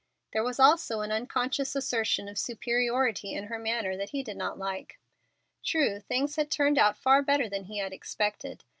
There was also an unconscious assertion of superiority in her manner that he did not like. True, things had turned out far better than he had expected.